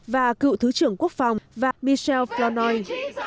và cựu thứ trưởng quốc phòng michelle flanoy